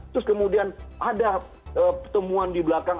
terus kemudian ada pertemuan di belakang